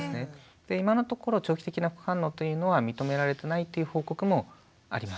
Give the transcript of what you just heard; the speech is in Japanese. で今のところ長期的な副反応というのは認められてないっていう報告もあります。